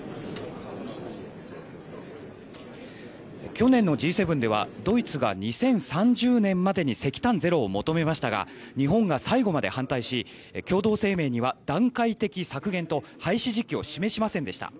去年のＧ７ではドイツが２０３０年までに石炭ゼロを求めましたが日本が最後まで反対し共同声明には、段階的削減と廃止時期を示しませんでした。